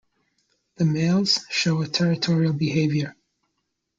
The males show a territorial behavior.